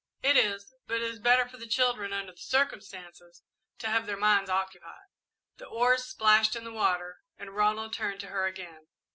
"It is, but it is better for the children, under the circumstances, to have their minds occupied." The oars splashed in the water, and Ronald turned to her again.